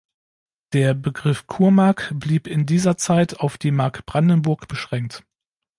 Der Begriff "Kurmark" blieb in dieser Zeit auf die Mark Brandenburg beschränkt.